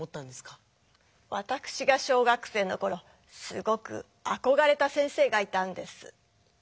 わたくしが小学生のころすごくあこがれた先生がいたんです。